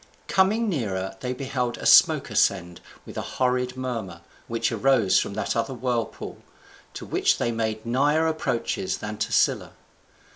Coming nearer they beheld a smoke ascend, with a horrid murmur, which arose from that other whirlpool, to which they made nigher approaches than to Scylla.